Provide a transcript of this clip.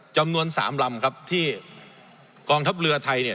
จำนวนสามลำครับที่กองทัพเรือไทยเนี่ย